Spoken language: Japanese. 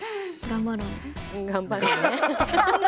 「頑張ろうね」！